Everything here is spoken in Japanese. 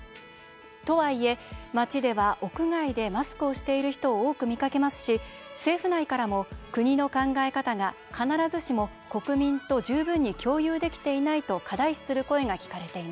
とはいえ、街では屋外でマスクをしている人を多く見かけますし政府内からも国の考え方が必ずしも国民と十分に共有できていないと課題視する声が聞かれています。